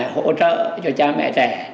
hỗ trợ cho cha mẹ trẻ